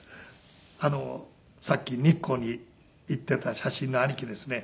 あのさっき日光に行ってた写真の兄貴ですね。